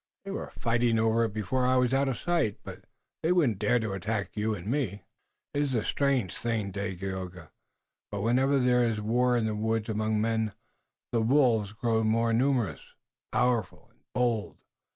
"They were fighting over it before I was out of sight. But they wouldn't dare to attack you and me." "It is a strange thing, Dagaeoga, but whenever there is war in the woods among men the wolves grow numerous, powerful and bold.